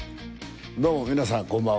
どうも皆さん、こんばんは！